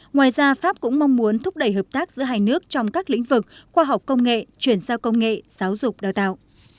ngoài ra pháp cũng mong muốn thúc đẩy hợp tác giữa hai nước trong các lĩnh vực khoa học công nghệ chuyển giao công nghệ giáo dục đào tạo